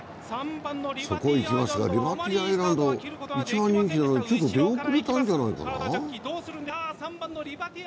そこにいきますが、リバティアイランド、一番人気なのにちょっと出遅れたんじゃないかな。